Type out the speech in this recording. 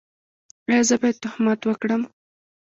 ایا زه باید تهمت وکړم؟